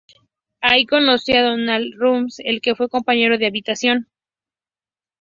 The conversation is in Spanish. Allí conoció a Donald Rumsfeld del que fue compañero de habitación.